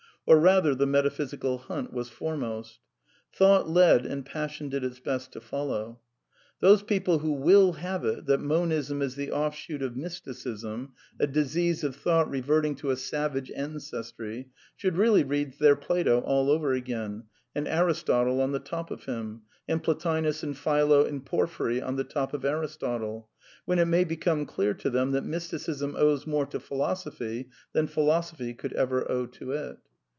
Or rather the metaphysical hunt was foremost. Thought led and 1 (Lpassion did its best to follow. Those people who wUl have yj it that Monism is the offshoot of Mysticism, a disease of thought reverting to a savage ancestry, should really read their Plato all over again, and Aristotle on the top of him, and Plotinus and Philo and Porphyry on the top of Aris totle; when it may become clear to them that Mysticism \ owes more to philosophy than philosophy could ever owe \ to it.